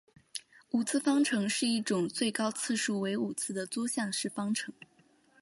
五次方程是一种最高次数为五次的多项式方程。